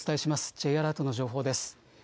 Ｊアラートの情報です。